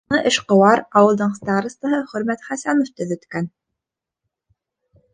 Уны эшҡыуар, ауылдың старостаһы Хөрмәт Хәсәнов төҙөткән.